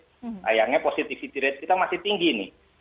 sayangnya positivity rate kita masih tinggi nih